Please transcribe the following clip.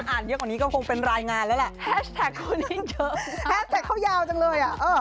อ่านเยอะกว่านี้ก็คงเป็นรายงานแล้วแหละแฮสแท็กคุณนี่เจ๋อแฮสแท็กเข้ายาวจังเลยอะ